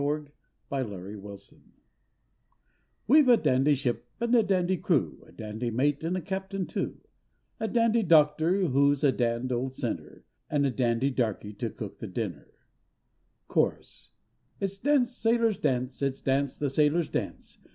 THE DANDY SHIP We've a dandy ship And a dandy crew; A dandy mate And a captain too; A dandy doctor Who's a dand' old sinner, And a dandy darkey To cook the dinner. Chorus. It's dance, sailors, dance! It's dance, the sailors, dance!